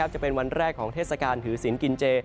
จะเป็นวันแรกของเทศกาลถือศิลปกินเจ